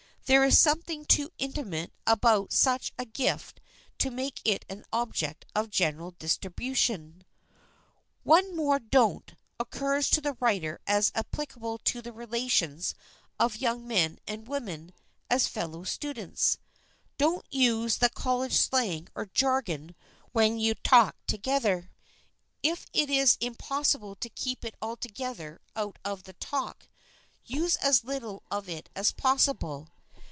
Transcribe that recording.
There is something too intimate about such a gift to make it an object of general distribution. One more "Don't" occurs to the writer as applicable to the relations of young men and women as fellow students. Don't use the college slang or jargon when you talk together. If it is impossible to keep it altogether out of the talk, use as little of it as possible.